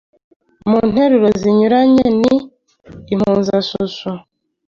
mu nteruro zinyuranye, ni impuzashusho: